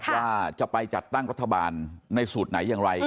ว่าจะไปจัดตั้งรัฐบาลในสูตรไหนอย่างไร